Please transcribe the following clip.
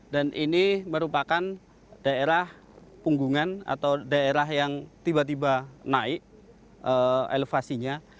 dan ini merupakan daerah punggungan atau daerah yang tiba tiba naik elevasinya